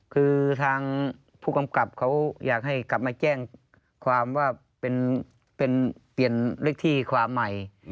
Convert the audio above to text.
คือทางผู้กำกับเขาอยากให้กลับมาแจ้งความว่าเป็นเปลี่ยนเลขที่ความใหม่